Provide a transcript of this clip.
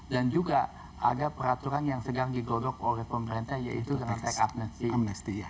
dan juga ada peraturan yang sedang digodok oleh pemerintah yaitu dengan tech amnesty